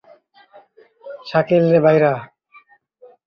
হরিমোহিনী কহিলেন, শোনো একবার!